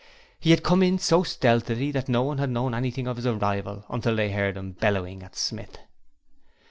He had come in so stealthily that no one had known anything of his arrival until they heard him bellowing at Smith.